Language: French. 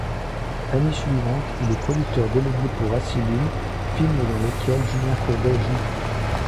L'année suivante, il est producteur délégué pour Asylum, film dans lequel Julien Courbey joue.